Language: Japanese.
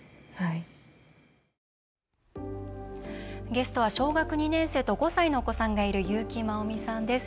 ゲストは小学２年生と５歳のお子さんがいる優木まおみさんです。